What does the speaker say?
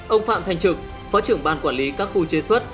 ông phạm thành trực phó trưởng ban quản lý các khu chế xuất